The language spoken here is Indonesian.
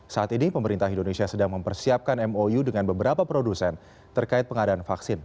saat ini pemerintah indonesia sedang mempersiapkan mou dengan beberapa produsen terkait pengadaan vaksin